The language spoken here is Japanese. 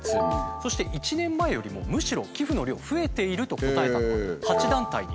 そして１年前よりもむしろ寄付の量増えていると答えたのが８団体に。